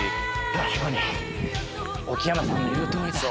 確かに沖山さんの言うとおりだ。